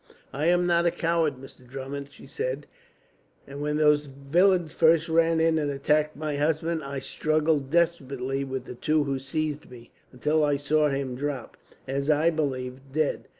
"I am not a coward, Mr. Drummond," she said, "and when those villains first ran in and attacked my husband, I struggled desperately with the two who seized me; until I saw him drop, as I believed, dead.